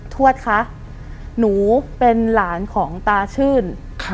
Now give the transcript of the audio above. ทวดคะหนูเป็นหลานของตาชื่น